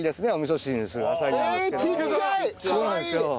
そうなんですよ。